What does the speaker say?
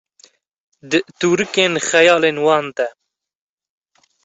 tûrikê xeyalên wan de